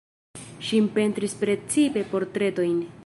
Ŝi pentris precipe portretojn.